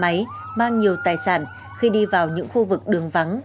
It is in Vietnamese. xe máy mang nhiều tài sản khi đi vào những khu vực đường vắng